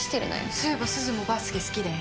そういえばすずもバスケ好きだよね？